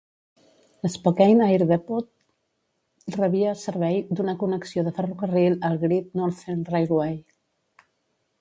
L'Spokane Air Depot rebia servei d'una connexió de ferrocarril al Great Northern Railway.